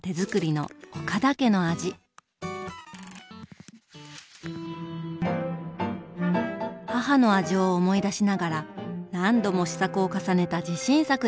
母の味を思い出しながら何度も試作を重ねた自信作です。